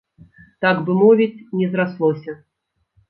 Так бы мовіць, не зраслося.